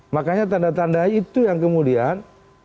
makanya tanda tanda itu yang kemudian